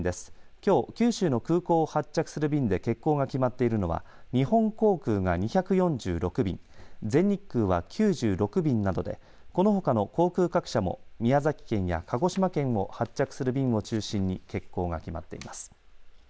きょう九州の空港を発着する便で欠航が決まっているのは日本航空が２４６便全日空は９６便などでこのほかの航空各社も宮崎県や鹿児島県を発着する便を中心に欠航が決まっています。